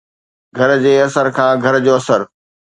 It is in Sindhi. گھر جي اثر کان گھر جو اثر